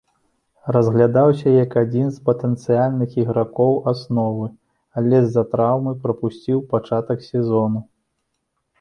Разглядаўся як адзін з патэнцыяльных ігракоў асновы, але з-за траўмы прапусціў пачатак сезону.